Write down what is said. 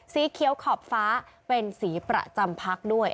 สีเขียวขอบฟ้าเป็นสีประจำพักด้วย